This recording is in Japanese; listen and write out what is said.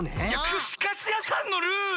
くしカツやさんのルール！